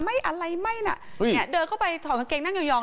อะไรไม่น่ะเนี่ยเดินเข้าไปถอดกางเกงนั่งยอง